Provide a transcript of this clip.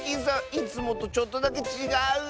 いつもとちょっとだけちがう！